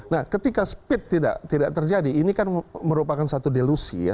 nah ketika speed tidak terjadi ini kan merupakan satu delusi ya